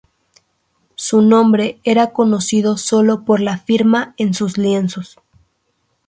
Su nombre era conocido solo por la firma en los lienzos.